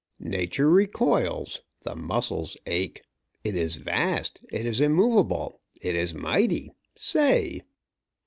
Nature recoils, the muscles ache. It is vast, it is immovable, it is mighty. Say!"